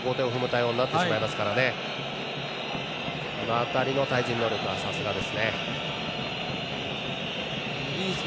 あの辺りの対じ能力はさすがです。